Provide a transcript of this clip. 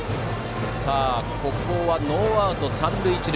ここはノーアウト三塁一塁。